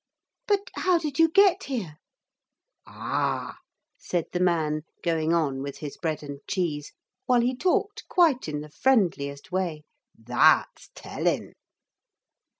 'But how did you get here?' 'Ah!' said the man going on with his bread and cheese, while he talked quite in the friendliest way, 'that's telling.'